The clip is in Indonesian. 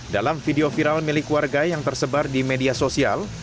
dalam video viral milik warga yang tersebar di media sosial